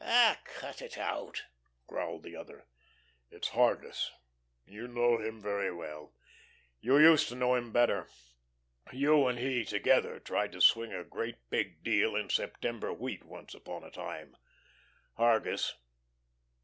"Oh h, cut it out!" growled the other. "It's Hargus. You know him very well. You used to know him better. You and he together tried to swing a great big deal in September wheat once upon a time. Hargus!